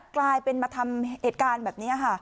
กลายเป็นมาทำเหตุการณ์แบบนี้ค่ะ